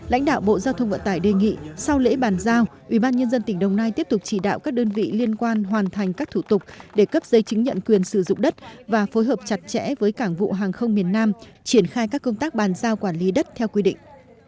lãnh đạo bộ giao thông vận tải đề nghị sau lễ bàn giao ubnd tỉnh đồng nai tiếp tục chỉ đạo các đơn vị liên quan hoàn thành các thủ tục để cấp giấy chứng nhận quyền sử dụng đất và phối hợp chặt chẽ với cảng vụ hàng không miền nam triển khai các công tác bàn giao quản lý đất theo quy định